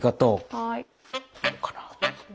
はい。